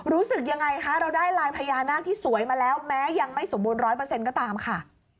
รู้สึกยังไงคะเราได้ลายพญานาคที่สวยมาแล้วแม้ยังไม่สมบูรณร้อยเปอร์เซ็นต์ก็ตามค่ะ